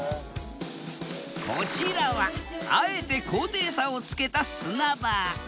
こちらはあえて高低差をつけた砂場。